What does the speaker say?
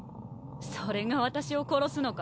それが私を殺すのか？